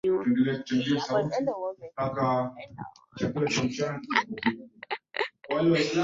una nchi wanachama ishirini na saba utahitajika kujinyanyua